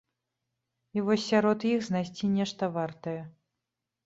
І вось сярод іх знайсці нешта вартае.